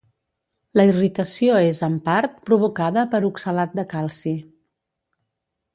La irritació és, en part, provocada per oxalat de calci.